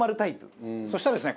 そしたらですね